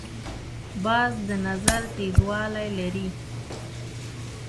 باز د نظر تیزوالی لري